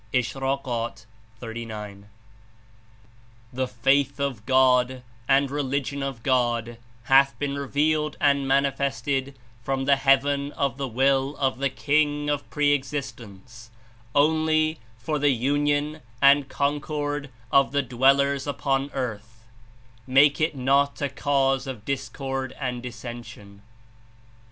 (Ish. 39 ) "The faith of God and religion of God hath been revealed and manifested from the heaven of the Will of the King of Pre existence only for the union and concord of the dwellers upon earth; make it not a cause of discord and dissension."